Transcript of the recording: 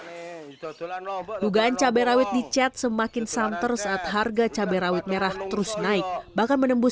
muslima juga mekapai rawit di chat semakin samter saat harga cabai rawit merah terus naik bahkan skins